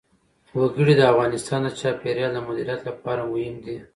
وګړي د افغانستان د چاپیریال د مدیریت لپاره مهم دي.